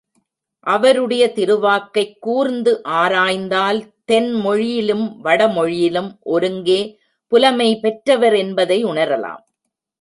அவருடைய திருவாக்கைக் கூர்ந்து ஆராய்ந்தால் தென்மொழியிலும் வட மொழியிலும் ஒருங்கே புலமை பெற்றவர் என்பதை உணரலாம்.